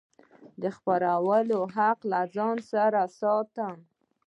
د خپرولو حق له ځان سره ساتم.